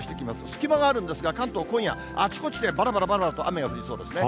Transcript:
隙間があるんですが、関東、今夜、あちこちでばらばらばらばらと雨が降りそうですね。